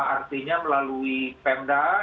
artinya melalui pemda